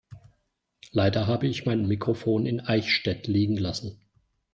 Leider habe ich mein Mikrofon in Eichstätt liegen lassen.